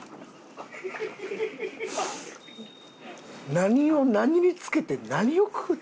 何を何に付けて何を食うた？